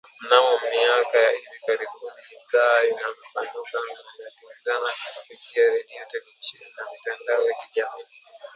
Mnamo miaka ya hivi karibuni idhaa imepanuka na inatangaza kupitia redio televisheni na mitandao ya kijamii